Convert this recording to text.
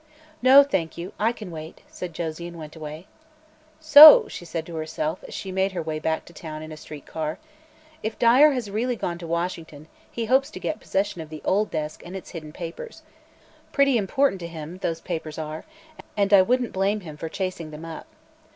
"No, thank you; I can wait," said Josie, and went away. "So," she said to herself, as she made her way back to town in a street car, "if Dyer has really gone to Washington, he hopes to get possession of the old desk and its hidden papers. Pretty important to him, those papers are, and I wouldn't blame him for chasing them up.